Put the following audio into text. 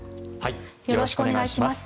よろしくお願いします。